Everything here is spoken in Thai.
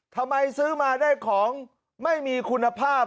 ซื้อมาได้ของไม่มีคุณภาพ